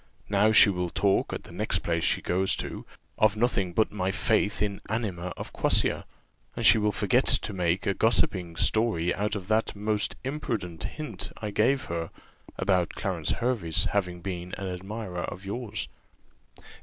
"Now she will talk, at the next place she goes to, of nothing but of my faith in anima of quassia; and she will forget to make a gossiping story out of that most imprudent hint I gave her, about Clarence Hervey's having been an admirer of yours."